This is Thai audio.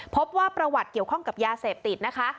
พบว่าประวัติเกี่ยวข้องกับยาเสพติดนะคะ